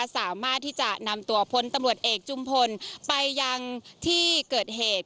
สามารถที่จะนำตัวพลตำรวจเอกจุมพลไปยังที่เกิดเหตุ